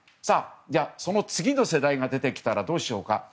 じゃあ、その次の世代が出てきたらどうしようか。